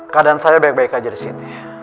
keadaan saya baik baik aja disini